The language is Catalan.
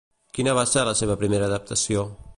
Quina va ser la seva primera adaptació?